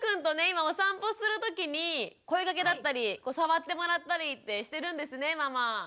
今お散歩するときに声かけだったり触ってもらったりってしてるんですねママ。